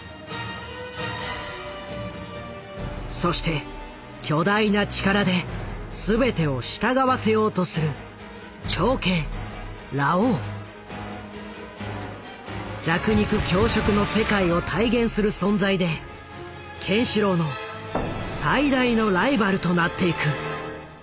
そして巨大な力で全てを従わせようとする弱肉強食の世界を体現する存在でケンシロウの最大のライバルとなっていく。